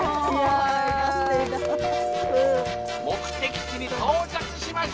「目的地に到着しました！